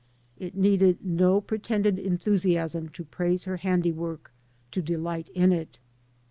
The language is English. It needed no pretended enthusiasm to praise her handi work, to delight in it.